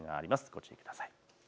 ご注意ください。